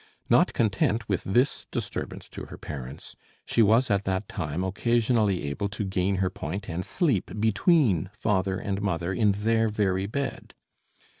Not content with this disturbance to her parents, she was at that time occasionally able to gain her point and sleep between father and mother in their very bed.